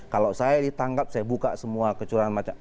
kalau saya ditangkap saya buka semua kecurangan macam